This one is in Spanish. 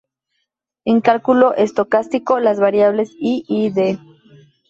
En cálculo estocástico, las variables i.i.d.